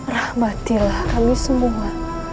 rahmatilah kami semua